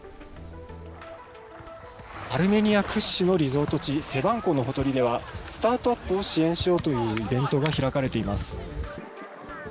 アルメニア屈指のリゾート地、セバン湖のほとりでは、スタートアップを支援しようというイベントが開かれています。